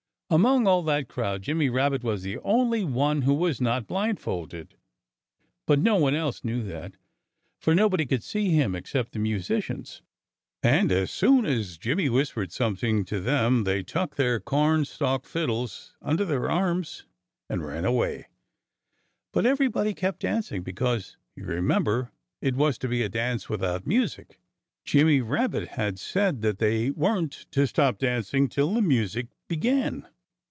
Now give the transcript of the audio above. Among all that crowd, Jimmy Rabbit was the only one who was not blindfolded. But no one else knew that, for nobody could see him except the musicians. And as soon as Jimmy whispered something to them they tucked their corn stalk fiddles under their arms and ran away. But everybody kept dancing because, you remember, it was to be a dance without music. Jimmy Rabbit had said that they weren't to stop dancing till the music began.